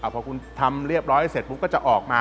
พอคุณทำเรียบร้อยเสร็จปุ๊บก็จะออกมา